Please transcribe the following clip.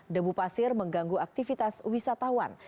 debu pasir mengganggu aktivitas wisatawan